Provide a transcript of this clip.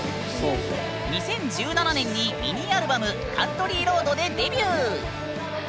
２０１７年にミニアルバム「カントリーロード」でデビュー。